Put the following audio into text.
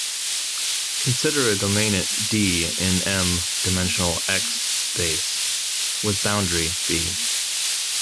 Consider a domain "D" in "m"-dimensional "x" space, with boundary "B".